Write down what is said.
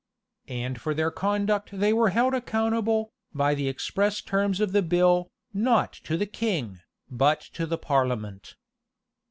And for their conduct they were accountable, by the express terms of the bill, not to the king, but to the parliament.